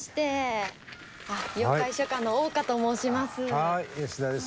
妖怪書家の香と申します。